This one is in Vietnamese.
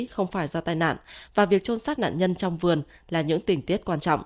không phải do tai nạn và việc trôn sát nạn nhân trong vườn là những tình tiết quan trọng